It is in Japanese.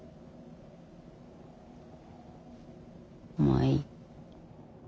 まあいい。